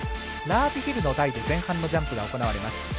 ラージヒルの台で前半のジャンプが行われます。